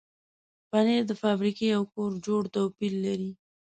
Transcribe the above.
پنېر د فابریکې او کور جوړ توپیر لري.